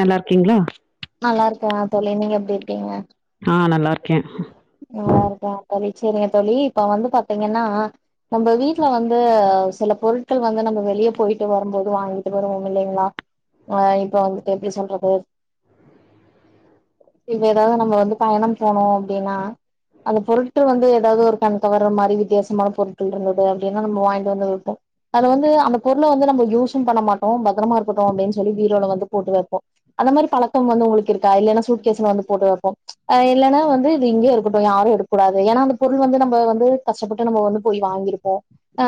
நல்லா இருக்கீங்களா நல்லா இருக்கே தோழி நீங்க எப்டி இருக்கீங்க ஆ நல்லா இருக்கே நல்லா இருக்கே தோழி சேரிங்க தோழி இப்ப வந்து பாத்தீங்கன்னா நம்ப வீட்ல வந்து சில பொருட்கள் வந்து நம்ம வெளியே போய்ட்டு வரும்போது வாங்கிட்டு வருவோ இல்லைங்களா ஆ இப்ப வந்துட்டு எப்டி சொல்றது இனி ஏதாவது நம்ம வந்து பயணம் போனு அப்டின்னா அந்த பொருட்கள் வந்து ஏதாவது ஒரு கண் கவர்ற மாரி வித்தியாசமான பொருட்கள் இருந்தது அப்டின்னா நம்ம வாங்கிட்டு வந்து விப்போ அத வந்து அந்த பொருள வந்து நம்ம யூஸு பண்ண மாட்டோ பத்திரமா இருக்கட்டு அப்டின்னு சொல்லி பீரோல வந்து போட்டு வெப்போ அந்த மாரி பழக்கம் வந்து உங்களுக்கு இருக்கா இல்லன்னா சூட் கேச் வந்து போட்டு வெப்போ இல்லன்னா வந்து இங்கே இருக்கட்டு யாரு எடுக்ககூடாது ஏனா அந்த பொருள் வந்து நம்ப வந்து கஷ்டப்பட்டு நம்ம வந்து போய் வாங்கியிருப்போ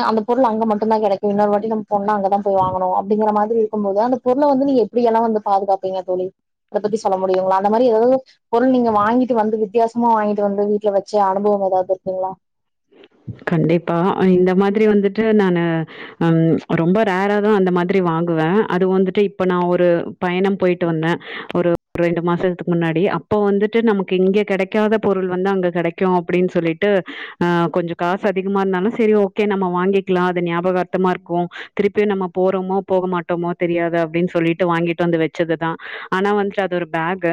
அந்த பொருள் அங்க மட்டும்தா கெடைக்கும் இன்னொரு வாட்டி நம்ம போணா அங்கதா போய் வாங்கணு அப்டிங்கிற மாதிரி இருக்குபோது அந்த பொருள வந்து நீங்க எப்டியெல்லா வந்து பாதுகாப்பீங்க தோழி அத பத்தி சொல்ல முடியுங்களா அந்த மாரி ஏதாவது பொருள் நீங்க வாங்கிட்டு வந்து வித்தியாச சும்மா வாங்கிட்டு வந்து வீட்ல வெச்ச அனுபவ ஏதாவது இருக்கிங்களா கண்டிப்பா இந்த மாதிரி வந்துட்டு நானு ம் ரொம்ப ரேராதா அந்த மாதிரி வாங்குவே அது வந்துட்டு இப்ப நா ஒரு பயணம் போயிட்டு வந்த ஒரு ரெண்டு மாசத்துக்கு முன்னாடி அப்போ வந்துட்டு நமக்கு இங்க கிடைக்காத பொருள் வந்து அங்க கடைக்கு அப்டின்னு சொல்லிட்டு அ கொஞ்ச காசு அதிகமா இருந்தாலு செரி ஓகே நம்ம வாங்கிக்கலா அது ஞாபகார்த்தமா இருக்கு திருப்பியு நம்ம போறோமோ போக மாட் ட்டமோ தெரியாது அப்டின்னு சொல்லிட்டு வாங்கிட்டு வந்து வெச்சதுதா ஆனா வந்துட்டு அது ஒரு பேக்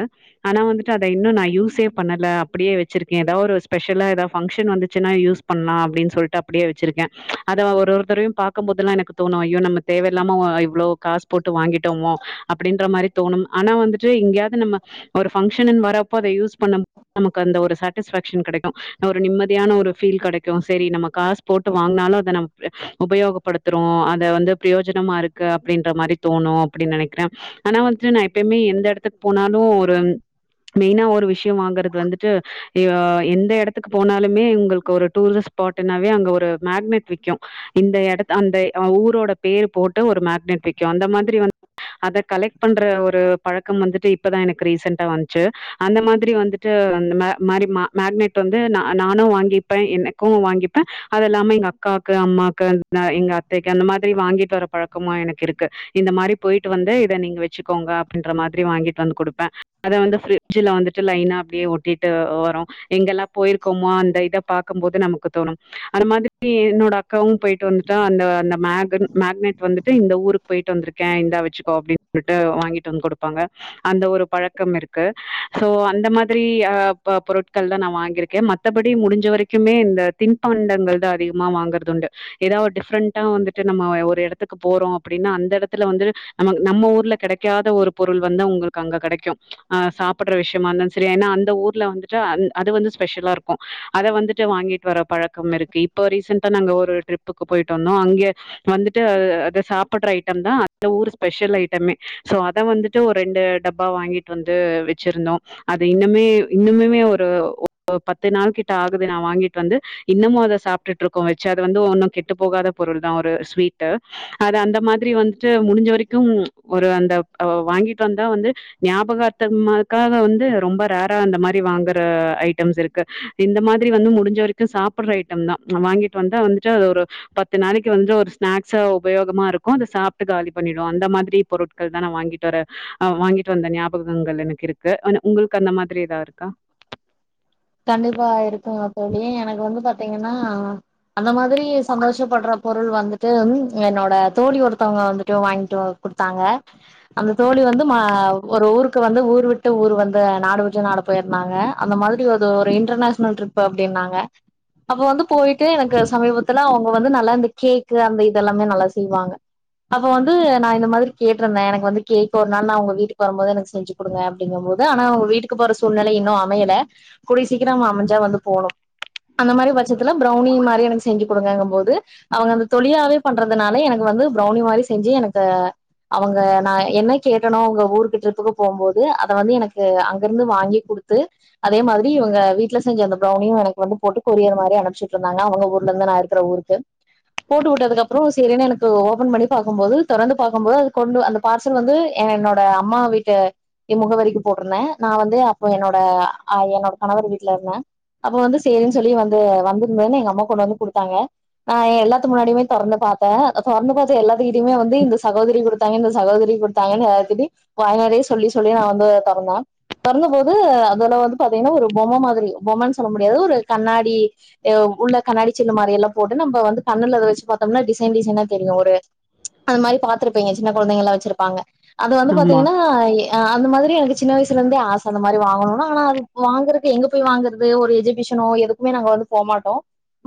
ஆனா வந்துட்டு அத இன்னு நா யூஸே பண்ணல அப்டியே வெச்சிருக்கே ஏதாவது ஒரு ஸ்பெஷலா ஏதாவது பங்ஷன் வந்துச்சுன்னா யூஸ் பண்ணலா அப்டின்னு சொல்லிட்டு அப்டியே வெச்சிருக்கே அத ஒரு ஒருத்தரையு பாக்கும்போெல்லா எனக்கு தோனு ஐயோ நம்ம தேவையில்லாம இவ்ளோ காஸ் போட்டு வாங்கிட்டோமோ அப்டின்ற மாரி தோணு ஆனா வந்துட்டு இங்க நம்ம ஒரு பங்க்ஷன்னு வரப்போ அத யூஸ் பண்ணும் நமக்கு அந்த ஒரு சட் டிஸ்ஃபெஷன் கிடைக்கு ஒரு நிம்மதியான ஒரு ஃபீல் கடைக் க்கு செரி நம்ம காசு போட்டு வாங்குனாலு அத நம்ம உபயோகப்படுத்துறோ அத வந்து பிரயோஜனமா ருக் கு அப்டின்ற மாரி தோணு அப்டி நெனைக்கிறே ஆனா வந்துட்டு நா எப்பயுமே எந்த எடத்துக்கு போனாலு ஒரு மெயினா ஒரு விஷ்யோ வாங்கறது வந்துட்டு யோ எந்த எடத்துக்கு போனாலுமே உங்களுக்கு ஒரு டூரிஸ்ட் ஸ்பாட்னாவே அங்க ஒரு மேக்னெட் விக்யு இந்த எடத் அந்த ம் அவ ஊரோட பேரு போட்டு ஒரு மேக்னெட் விக்கு அந்த மாதிரி வந் அத கலெக்ட் பண்ற ஒரு பழக்கம் வந்துட்டு இப்பதா எனக்கு ரீசன்டா வந்ச்சு அந்த மாதிரி வந்துட்டு அந்த மே மாரி மா மேக்னெட் வந்து நா நானு வாங்கிப் பே எனக்கு வாங்கிப்பே அதெல்லாமே எங்க அக்காக்கு அம்மாக்கு அந் த எங்க அத்தைக்கு அந்த மாதிரி வாங்கிட்டு வர பழக்கமு எனக்கு இருக்கு இந்த மாரி போயிட்டு வந்து இத நீங்க வச்சுக்கோங்க அப்டின்ற மாதிரி வாங்கிட்டு வந்து குடுப்பே அத வந்து ஃப்ரிட்ஜில வந்துட்டு லைனா அப்டியே ஒட்டிட்டு ஒ வரோ எங்கெல்லா போயிருக்கோமோ அந்த இத பாக்க போது நமக்கு தோணும் அந்த மாதிரி என்னோட அக்காவு போயிட்டு வந்துட்டுடா அந்த அந்த மேக்கென் மேக்னெட் வந்துட்டு இந்த ஊருக் போயிட்டு வந்திருக்கே இந்தா வச்சுக்கோ அப்டின்னு சொல்லிட்டு வாங்கிட்டு வந்து குடுப்பாங்க அந்த ஒரு பழக்கம் இருக்கு சோ அந்த மாதிரி அஹ் ப பொருட்கள் தா நா வாங்கிருக்கே மத் மத்த படி முடிஞ்ச வரைக்குமே இந்த தின்பண்டங்கள் தா அதிகமா வாங்கறது உண்டு எதா ஒரு டிஃப்ரெண்டா வந்துட்டு நம்ம ஒரு எடத்துக்கு போறோ அப்டினா அந்த எடத்துல வந்து நமக் நம்ம ஊர்ல கெடைக்காத ஒரு பொருள் வந்து உங்களுக்கு அங்க கெடைக்கு ஆ சாப் படுற விஷயமா இருந்தாலு செரி ஏனா அந்த ஊர்ல வந்துட்டு அந் அது வந்து ஸ்பெஷலா இருக்கு அத வந்துட் டு வாங்கிட்டு வர பழக்கம் இருக்கு இப்போ ரீசென்ட்டா நாங்க ஒரு ட்ரிப்புக்கு போயிட்டு வந்தோ அங்கயே வந்துட்டு அ அத சாப்பிடுற ஐட்டம் தா அந்த ஊர் ஸ்பெஷல் ஐட்டமே சோ அத வந்துட்டு ஒரு ரெண்டு டப்பா வாங்கிட்டு வந்து வச்சிருந்தோ அது இன்னுமே இன்னுமமே ஒரு ஒரு பத்து நாள் கிட்ட ஆகுது நா வாங்கிட்டு வந்து இன்னமு அத சாப்ட்டுட்டு இருக்கோ வச்சு அது வந்து ஒன்னு கெட்டு போகாத பொருள் தா ஒரு ஸ்வீட்டு அது அந்த மாதிரி வந்துட்டு முடிஞ்ச வரைக்கு ஒரு அந்த அவ வாங்கிட்டு வந்தா வந்து ஞாபகா அர்த்தமாக்காக வந்து ரொம்ப ரேரா இந்த மாதிரி வாங்குற ஐட்டம்ஸ் இருக்கு இந்த மாதிரி வந்து முடிஞ்ச வரைக்கு சாப்பிட்ற ஐட்டம் தா நா வாங்கிட்டு வந்தா வந்துட்டு அது ஒரு பத்து நாளைக்கு வந்து ஒரு ஸ்நாக்ஸ்சா உபயோகமா ருக்கு அத சாப்ட்டு காலி பண்ணிறோ அந்த மாதிரி பொருட் கள் தா நா வாங்கிட்டு வர ஆ வாங்கிட்டு வந்த ஞாபகங்கள் எனக்கு இருக்கு ஆனா உங்களுக்கு அந்த மாதிரி எதா இருக்கா கண்டிப்பா இருக்குங்க தோழி எனக்கு வந்து பாத்தீங்கனா அந்த மாதிரி சந்தோஷப்படுற பொருள் வந்துட்டு ம் என்னோட தோழி ஒருத்தவுங்க வந்துட்டு வாங்கிட்டு வ குடுத்தாங்க அந்த தோழி வந்து மா ஒரு ஊருக்கு வந்து ஊர் விட்டு ஊர் வந்து நாடு விட்டு நாடு போயிருந்தாங்க அந்த மாதிரி ஒருது ஒரு இன்டர்நேஷனல் ட்ரிப் அப்டினாங்க அப்ப வந்து போயிட்டு எனக்கு சமீபத்துல அவுங்க வந்து நல்லா இந்த கேக்கு அந்த இதெல்லாமே நல்லா செய்வாங்க அப்ப வந்து நா இந்த மாதிரி கேட்டுருந்தே எனக்கு வந்து கேக் ஒரு நாள் நா ஒங்க வீட்டுக்கு வருபோது எனக்கு ஸ் செஞ்சு குடுங்க அப்டிங்க போது ஆனா அவுங்க வீ ட்டுக்கு போற சூழ்நிலை இன்னு அமையல கூடிய சீக்கிரம் அமைஞ்சா வந்து போணு அந்த மாரி பட்சத்துல ப்ரௌனி மாரி எனக்கு செஞ்சு குடுங்கங்க போது அவுங்க அந்த தொழிலாவே பண்றதுனால எனக்கு வந்து ப்ரௌனி மாதிரி செஞ்சு எனக்கு அவுங்க நா என்ன கேட்டனோ அவுங்க ஊருக்கு ட்ரிப்புக்கு போ போது அத வந்து எனக்கு அங் க இருந்து வாங்கி குடுத்து அதே மாதிரி இவுங்க வீட்ல செஞ்சு அந்த ப்ரௌனியு எனக்கு வந்து போட்டு கொரியர் மாரி அனுப்புச்சு வுட்டுருந்தாங்க அவுங்க ஊர்ல இருந்து நா இருக்கிற ஊருக்கு போட்டு வுட்டதுக் கப்றோ செரின்னு எனக்கு ஓபன் பண்ணி பாக்குபோது தொறந்து பாக்குபோது அது கொண்டு அந்த பார்சல் வந்து என்னோட அம்மா வீட்டு எ முகவரிக்கு போட்ருந்தே நா வந்து அப்ப என்னோட ஆ என்னோட கணவர் வீட்டுல இருந்தே அப்ப வந்து சேரி சொல்லி வந்து வந்துருந்தன்னு எங்க அம்மா கொண்டு வந்து குடுத்தாங்க நா எல்லாத்து முன்னாடியுமே தொறந்து பாத்தே தொறந்து பாத் த எல்லாத்துகிட்டயுமே வந்து இந்த சகோதிரி குடுத்தாங்க இந்த சகோதரி குடுத்தாங்கன் [unintelligible] வாய்னாலே சொல்லி சொல்லி நா வந்து தொறந்தே தொறந்தபோது அதுல வந்து பாத்திங்கன்னா ஒரு பொம்ம மாதிரி பொம்மன்னு சொல்ல முடியாது ஒரு கண்ணாடி எ உள்ள கண்ணாடி சில்லு மாரி எல்லா போட்டு நம்ப வந்து கண்ணுல அத வெச்சு பாத்தோம்னா டிசைன் டிசைனா தெரியு ஒரு அந்த மாரி பாத்துருப்பீங்க சின்ன கொழந்தைங்கல்லா வச்சுருப்பாங்க அது வந்து ஆமா பாத்திங்கன்னா அந்த மாதிரி எனக்கு சின்ன வயசு துலருந்தே ஆச அந்த மாரி வாங்கணுனு ஆனா அது வாங்கறக்கு எங்க போய் வாங்குறது ஒரு எஜிபிஷனோ எதுக்குமே நாங்க வந்து போ மாட்டோ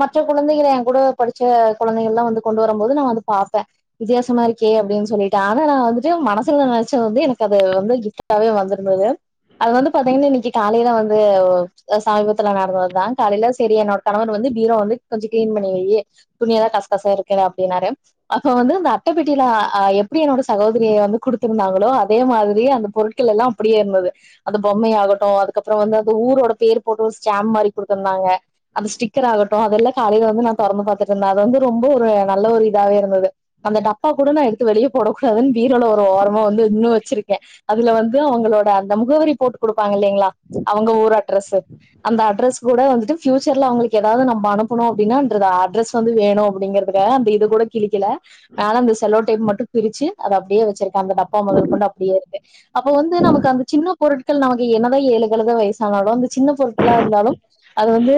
மற்ற குழந்தைகள ஏங் கூட படுச்ச கொழந்தைகள்லா வந்து கொண்டு வரம் போது நா வந்து பாப்பே வித்தியாசமா இருக்கே அப்டின் சொல்லிட்டு ஆனா நா வந்துட்டு மனசுல நெனைச்சது வந்து எனக்கு அது வந்து கிஃப்ட்டாவே வந்துருந்தது அது வந்து பாத்திங்கன்னா இன்னக்கி காலைல வந்து சாமீபத்துல நடந்ததுதா காலைல செரி என்னோட கணவர் வந்து பீரோவ வந்து கொஞ்சொ கிளீன் பண்ணி வையி துணியலா கச கச இருக்குனு அப்டின்னாரு அப்ப வந்து இந்த அட்ட பெட்டில அ எப்டி என்னோட சகோதிரி வந்து குடுத்திருந்தாங்களோ அதே மாதிரி அந்த பொருள் களெல்லா அப்டியே இருந்தது அந்த பொம்மை ஆகட்டு அதுக்கப்றொ வந்து அந்த ஊரோட பேர் போட்டு ஒரு ஸ்டாம் மாரி குடுத்துருந்தாங்க அந்த ஸ்டிக்கர் ஆக ட்டு அதெல்லா காலைல வந்து நா தொறந்து பாத்துட்டு இருந்தே அது வந்து ரொம்ப ஒரு நல்ல ஒரு இதாவே இருந்தது அந்த டப்பா கூட நா எடுத்து வெளிய போடக் கூடாதுன் பீரோல ஒரு ஓரமா வந்து இன்னு வச்சிருக்கே அதுல வந்து அவுங்களோட அந்த முகவரி போட்டு குடுப்பாங்க இல்லைங்களா அவுங்க ஊர் அட்ரஸு அந்த அட்ரஸ் கூட வந்துட்டு ஃபியூச்சர்ல அவுங்களுக்கு எதாவ்து நம்ப அனுப்பணு அப்டின்னான்றது அட்ரஸ் வந்து வேணு அப்டிங்கிறதுக்காக அந்த இத கூட கிளிக்கெல மேல அந்த செல்லோ டேப் மட்டு பிரிச்சு அத அப்டியே வச்சுருக்கே அந்த டப்பா மொதல் கொண்டு அப்டியே இருக்கு அப்ப வந்து நமக்கு அந் சின்ன பொருட்கள் நமக்கு என்னதா ஏழுகழுத வயசானாலு அந்த சின்ன பொருட்களா இருந்தாலும் அது வந்து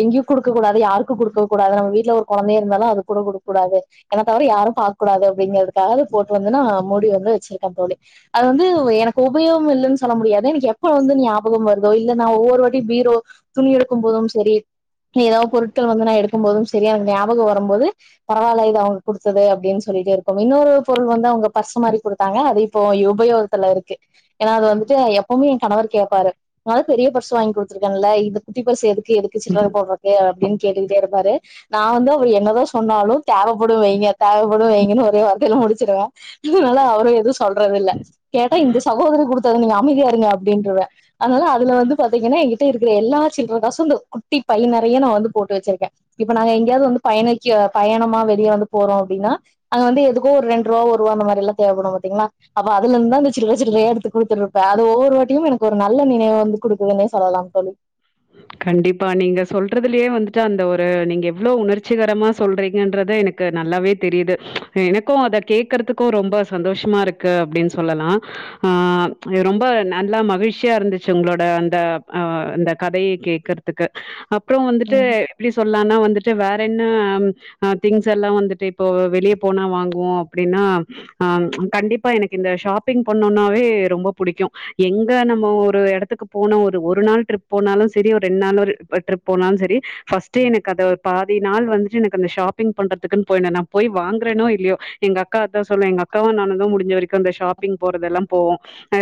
எங்கெயு குடுக்க கூடாது யாருக்கு குடுக்க கூடாது நம்ம வீட்ல ஒரு கொழந்தையே இருந்தாலு அதுக் கூட குடுக்கக் கூடாது என்ன தவர யாரு பாக் கூடாது அப்டிங்கிறதுக்காகவே போட்டு வந்து நா மூடி வந்து வச்சிருக்கே தோழி அது வந்து எனக்கு உபயோ கம் இல்லன் சொல்ல முடியாது எனக்கு எப்போ வந்து ஞாபகம் வருதோ இல்ல நா ஒவ்வொரு வாட்டியு பீரோ துணி எடுக்கும் போதும் செரி எதா பொருட்கள் வந்து நா எடுக்கும் போதும் செரி அந் ஞாபகொ வரம்போது பரவால்ல இது அவுங்க குடுத்தது அப்டின் சொல்லிட்டே இருக்கவு இன்னொரு பொருள் வந்து அவுங்க பர்ஸ் மாரி குடுத்தாங்க அது இப்போ இ உபயோ கத்துல இருக்கு ஏன்னா அது வந்துட்டு எப்பவுமே எ கணவர் கேப்பாரு நாதா பெரிய பர்சு வாங்கி குடுத்துருக்கேன்ல இந்த குட்டி பர்சு எதுக் க்கு எதுக்கு சில்ற போடுறக்கு அப்டின் கேட்டுக்கிட்டே இருப்பாரு நா வந்து அவரு என்னதா சொன்னாலு தேவப்படு வைங்க தேவப்படு வைங்கன்னு ஒரே வார்த்தைல முடுச்சிருவே அதுனால அவரு எதுவு சொல்றதில்லை கேட்டா இந்த சகோதரி குடுத்தது நீங்க அமைதியா இருங்க அப்டின்றுவே அதுனால அதுல வந்து பாத்திங்கன்னா எங்கிட்ட இருக்குற எல்லா சில்ற காசு இந்த குட்டி பையி நெறய நா வந்து போட்டு வச்சுருக்கே இப்ப நாங்க எங்கெயாது வந்து பயணக்கெ பயணமா வெளியே வந்து போறோ அப்டின்னா அங்க வந்து எதுக்கோ ஒரு ரெண்ட் ருவா ஒருவா இந்த மாரில்லா தேவப்படு பாத்திங்கன்னா அப்ப அதுல இருந்தா அந்த சில்ற சில்றயா எடுத்துக் குடுத்துட் இருப்பே அது ஒவ்வொரு வாட்டியும் எனக்கு ஒரு நல்ல நினைவு வந்து குடுக்குதுன்னே சொல்லலாம் தோழி கண்டிப்பா நீங்க சொல்றதுலயே வந்துட்டு அந்த ஒரு நீங்க எவ்ளோ உணர்ச்சிகரமா சொல்றீங்கன்றத எனக் கு நல்லாவே தெரியுது எனக்கு அத கேக்குறதுக்கு ரொம்ப சந்தோசமா இருக்கு அப்டின்னு சொல்லலா ஆ ரொம்ப நல்லா மகிழ்ச்சியா இருந்துச்சு உங்ளோட அந்த அ அந்த கதைய கேக்கற்துக்கு அப்றொ வந்துட்டு ம் எப்டி சொல்லானா வந்துட்டு வேற என்ன அ திங்ஸ் எல்லா வந்துட்டு இப்போ வெளியே போனா வாங்குவோ அப்டின்னா அ கண்டிப்பா எனக்கு இந்த ஷாப்பிங் பண்ணோனாவே ரொம்ப புடிக்கு எங்க நம்ம ஒரு எடத்துக்கு போனோ ஒரு ஒரு நாள் ட்ரிப் போனாலு சரி ஒரு ரெண்டு நாள் ஒரு ட்ரிப் போனாலு சரி ஃபஸ்ட்டே எனக்கு அ பாதி நாள் வந்துட்டு எனக்கு அந்த ஷாப் திங் பண்றதுக்குன்னு போய்னனா போய் வாங்குறோனோ இல்லயோ எங்க அக்காதா சொல்லு எங்க அக்காவு நானுதா முடிஞ்ச வரைக்கு அந்த ஷாப் ஷாப்பிங் போறதெல்லா போவோ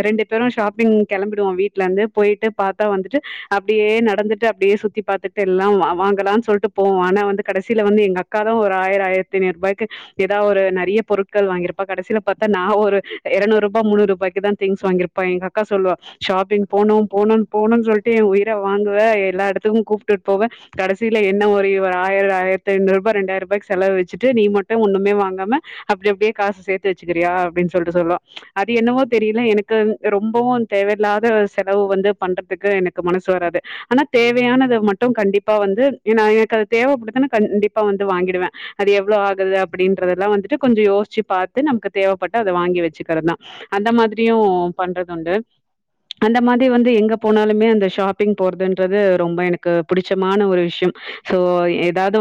ரெண்டு பேரு ஷாப்பி்ங் கெளம்பிடுவோ வீட்டுல இருந்து போயிட்டு பாத்தா வந்துட்டு அப்டியே நடந்துட்டு அப்டியே சுத்தி பாத்துட்டு எல்லா வாங்கலான்னு சொல்லிட்டு போவோ ஆனா வந்து கடைசியில வந்து எங்க அக் அக்காதா ஒரு ஆயிரோ ஆயிரத்தண்ணூ ரூபாய்கு ஏதாவ ஒரு நறைய பொருட்கள் வாங்கிருப்பா கடைசில பாத்தா நா ஒரு எரநூறு ரூபா முந்நூறு ரூபாய்க்கு தா திங்ஸ் வாங்கியிருப் இப்ப எங்க அக்கா சொல்லுவா ஷாப்பிங் போனு போனும்னு போனும்னு சொல்லிட்டு [unintelligible] உயிர வாங்குவ எல்லா எடத்துக்கு கூப்பிட்டுட்டு போவெ கடைசியில என்ன ஒரு இருவது ஆயிரோ ஆயிரத்தி ஐநூறு ரூபாய் ரெண்டாயிர ரூபாய்கு செலவு வச்சுட்டு நீ மட்டு ஒண்ணுமே வாங்காம அப்டி அப்டியே காசுசேத்து வச்சுக்கிரியா அப்டின்னு சொல்லிட்டு சொல்லு அது என்னவோ தெரியல எனக்கு ரொம்பவு தேவையில்லாத செலவு வந்து பண்றதுக்கு எனக்கு மனசு வராது ஆனா தேவையானது மட்டும் கண்டிப்பா வந்து எனக்கு அது தேவைப்படுதுன்னு கண்டிப்பா வந்து வாங்கிடுவே அது எவ்வளவு ஆகுது அப்டின்றதல்லா வந்துட்டு கொஞ்சோ யோசிச்சு பாத்து நமக்கு தேவைப்பட்டு அத வாங்கி வச்சுக்கிறதுதா அந்த மாதிரியு பண்றது உண்டு அந்த மாதிரி வந்து எங்க போனாலுமே அந்த ஷாப்பிங் போறதுன்றது ரொம்ப எனக்கு பிடிச்சமான ஒரு விஷயோ ஸோ ஏதாவது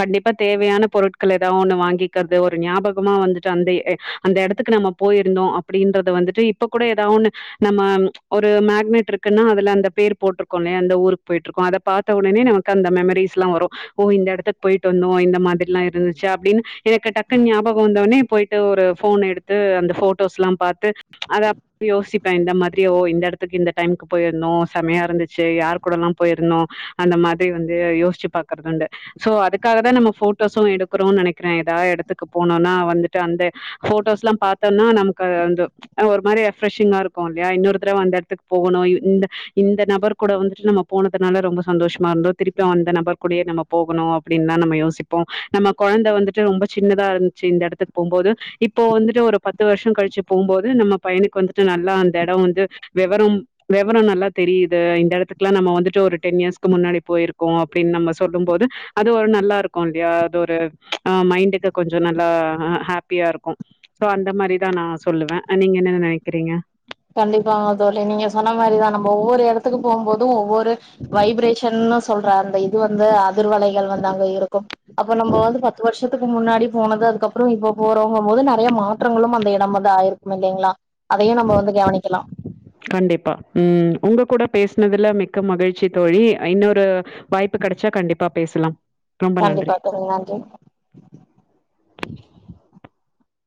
கண்டிப்பா தேவையான பொருட்கள் ஏதாவது ஒண்ணு வாங்கிக்கிறது ஒரு ஞாபகமா வந்துட்டு அந்த அந்த எடத்துக்கு நம்ம போயிருந்தோ அப்டின்றத வந்துட்டு இப்ப கூட ஏதாவ நம்ம ஒரு மேக்னெட் இருக்குன்னா அதுல அந்த பேர் போட்டிருக்கோம்ல்லய அந்த ஊருக்கு போயிட்டு இருக்கோ அத பாத்த ஒடனே நமக்கு அந்த மெமரிஸ்ல்லா வரு ஒ இந்த எடத்துக்கு போயிட்டு வந்தோ இந்த மாரிலா இருந்துச்சு அப்டின்னு எனக்கு டக்குன்னு ஞாபகம் வந்தோனே போயிட்டு ஏதோ ஒரு போன் எடுத்து அந்த போட்டோஸ் எல்லா பாத்து அத அப்டி யோசிப்பேன் இந்த மாதிரியோ இந்த எடத்துக்கு இந்த டைமுக்கு போயிருணு செமையா இருந்துச்சு யார் கூட எல்லா போயிருந்தோ அந்த மாரி வந்து யோசிச்சு பாக்குறது உண்டு சோ அதுக்காக தான் நம்ம போட்டோஸு எடுக்கறோம்னு நெனக்கிறே ஏதாவ எடத்துக்கு போனணும்னா வந்துட்டு இப்ப அந்த போட்டோஸ்லா பாத்தோனா நமக்கு வந்து ஒரு மாரி ரெஃப்ரெஷிங்கா இருக்கு இல்லயா இன்னொரு தடவ அந்த எடத்துக்கு போகணு இந்த இந்த நபர் கூட வந்துட்டு நம்ம போனதுனால ரொம்ப சந்தோஷமா இருந்தோ திருப்பி அந்த நபர் கூடயே நம்ம போகணு அப்டின்னு தான் நம்ம யோசிப்போ நம்ம கொழந்த வந்துட்டு ரொம்ப சின்னதா இருந்துச்சு இந்த இடத்துக்கு போம்போது இப்போ வந்துட்டு ஒரு பத்து வருஷோ கழிச்சு போம்போது நம்ம பையனுக்கு வந்துட்டு நல்லா அந்த இடம் வந்து வெவரம் வெவரம் நல்லா தெரியுது இந்த இடத்துக்கெலா நம்ம வந்துட்டு ஒரு டென் இயர்ஸ்க்கு முன்னாடி போயிருக்கோ அப்டின்னு நம்ம சொல்லும் போது அது ஒரு நல்லா இருக்கு இல்லயா அது ஒரு அ மைண்டுக்கு கொஞ்சோ நல்லா ஹாப்பியா இருக்கு சோ அந்த மாரிதா நா சொல்லுவே நீங்க என்னென்ன நெனக்கிறீங்க கண்டிப்பாங்க தோழி நீங்க சொன்ன மாரிதான் நம்ம ஒவ்வொரு எடத்துக்கு போம் போது ஒவ்வொரு வைப்ரேஷன் சொல்ற அந்த இது வந்து அதிர்வலைகள் வந்து அங்க இருக்கு அப்ப நம்ம வந்து பத்து வருஷத்துக்கு முன்னாடி போனது அதுக்கப்பறோ இப்ப போறவங்க போது நெறய மாற்றங்களும் அந்த இடமல ஆயிருக்கு பாத்திங்களா அதயே நம்ம வந்து கவனிக்கலா கண்டிப்பா ம் உங்க கூட பேசினதுல மிக்க மகிழ்ச்சி தோழி இன்னொரு வாய்ப்பு கெடச்சா கண்டிப்பா பேசலா கண்டிப்பா சொல்லங்க நன்றி